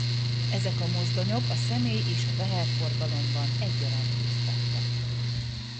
Ezek a mozdonyok a személy- és a teherforgalomban egyaránt részt vettek.